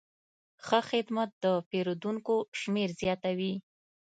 ښه خدمت د پیرودونکو شمېر زیاتوي.